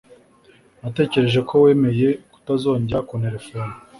Natekereje ko wemeye kutazongera kunterefona.